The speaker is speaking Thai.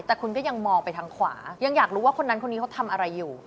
แต่คุณก็ยังมองไปทางขวายังอยากรู้ว่าคนนั้นคนนี้เขาทำอะไรอยู่